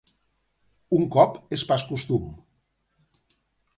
Un cop és pas costum.